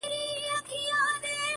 چي خپلي سپيني او رڼې اوښـكي يې.